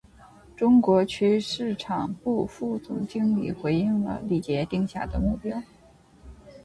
中国区市场部副总经理回应了李杰定下的目标